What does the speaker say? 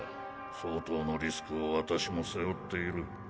相当のリスクを私も背負っている。